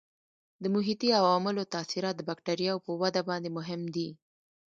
د محیطي عواملو تاثیرات د بکټریاوو په وده باندې مهم دي.